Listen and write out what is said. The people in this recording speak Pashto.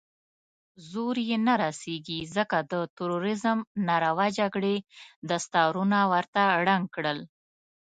زور يې نه رسېږي، ځکه د تروريزم ناروا جګړې دستارونه ورته ړنګ کړل.